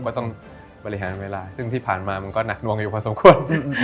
ก็ต้องบริหารเวลาซึ่งที่ผ่านมามันก็หนักนวงอยู่พอสมควร